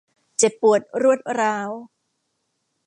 เจ็บปวดรวดร้าว